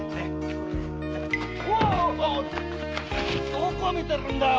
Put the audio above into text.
どこ見てるんだよ！